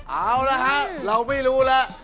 เอาละฮะเราไม่รู้แล้ว